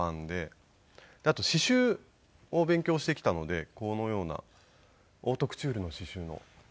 あと刺繍を勉強してきたのでこのようなオートクチュールの刺繍のカバンを。